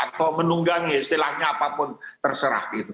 atau menunggangi istilahnya apapun terserah gitu